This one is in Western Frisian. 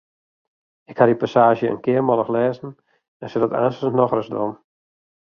Ik haw dy passaazje in kearmannich lêzen en sil it aanstens noch ris dwaan.